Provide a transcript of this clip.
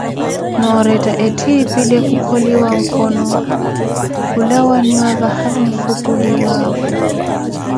Nooretta etthipile, khukholiwa nkhono khulawaniwa vahali onfhupuliwavo.